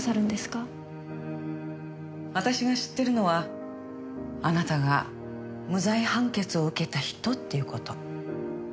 私が知ってるのはあなたが無罪判決を受けた人っていう事。